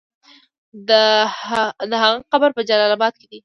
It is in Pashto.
د هغه قبر په جلال اباد کې دی.